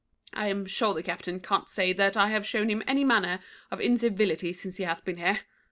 I am sure the captain can't say that I have shewn him any manner of incivility since he hath been here.